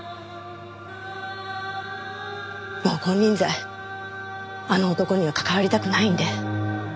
もう金輪際あの男には関わりたくないんで。